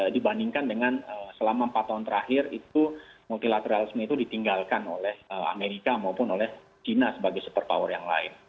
dibandingkan dengan selama empat tahun terakhir itu multilateralisme itu ditinggalkan oleh amerika maupun oleh china sebagai super power yang lain